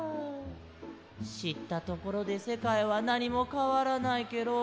しったところでせかいはなにもかわらないケロ。